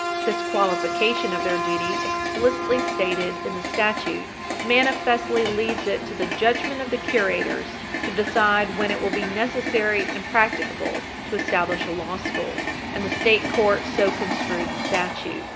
This qualification of their duty, explicitly stated in the statute, manifestly leaves it to the judgment of the curators to decide when it will be necessary and practicable to establish a law school, and the state court so construed the statute.